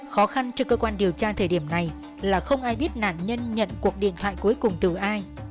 khó khăn cho cơ quan điều tra thời điểm này là không ai biết nạn nhân nhận cuộc điện thoại cuối cùng từ ai